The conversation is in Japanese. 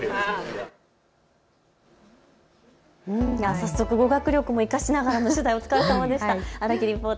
早速、語学力も生かしながらの取材でした。